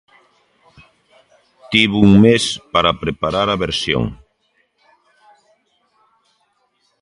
Tivo un mes para preparar a versión.